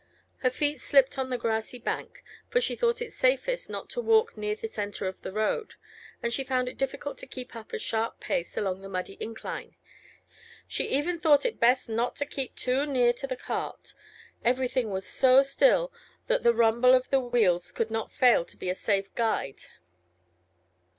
Her feet slipped on the grassy bank, for she thought it safest not to walk near the centre of the road, and she found it difficult to keep up a sharp pace along the muddy incline. She even thought it best not to keep too near to the cart; everything was so still, that the rumble of the wheels could not fail to be a safe guide.